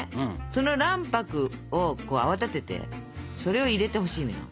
その卵白を泡立ててそれを入れてほしいのよ。